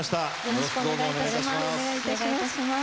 よろしくお願いします。